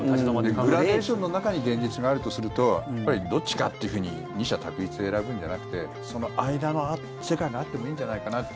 グラデーションの中に現実があるとするとやっぱり、どっちかというふうに二者択一で選ぶんじゃなくてその間の世界があってもいいんじゃないかなっていう。